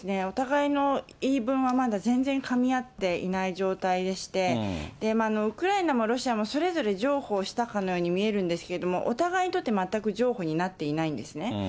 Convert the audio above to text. お互いの言い分は、まだ全然かみ合っていない状態でして、ウクライナもロシアも、それぞれ譲歩したかのように見えるんですけれども、お互いにとって全く譲歩になっていないんですね。